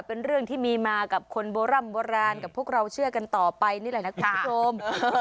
เป็นเรื่องที่มีมากับคนโบร่ำโบราณกับพวกเราเชื่อกันต่อไปนี่แหละนะคุณผู้ชม